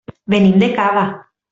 Venim de Cava.